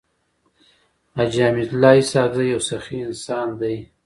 حاجي حميدالله اسحق زی يو سخي انسان دی.